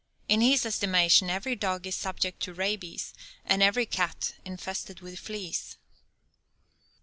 In his estimation every dog is subject to rabies, and every cat infested with fleas.